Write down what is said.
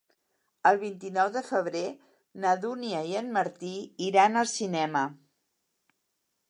El vint-i-nou de febrer na Dúnia i en Martí iran al cinema.